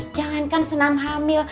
jangankan senam hamil